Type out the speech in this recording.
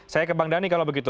saya ke bang dhani kalau begitu